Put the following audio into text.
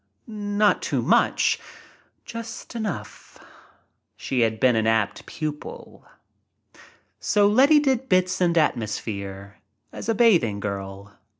Not too much — just enough. She had been an apt pupil. So Letty did bits and atmosphere — as a bathing girl.